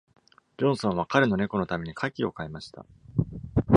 ジョンソンは彼の猫の為に、牡蠣を買いました。